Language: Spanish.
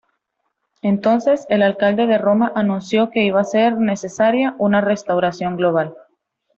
Entonces el alcalde de Roma anunció que iba a ser necesaria una restauración global.